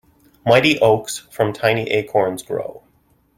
Mighty oaks from tiny acorns grow.